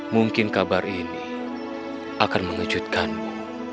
mungkin kabar ini akan mengejutkanmu